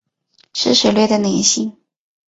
湿时略带黏性。